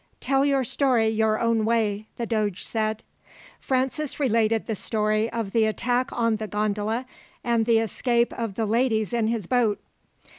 "Tell your story your own way," the doge said. Francis related the story of the attack on the gondola, and the escape of the ladies in his boat.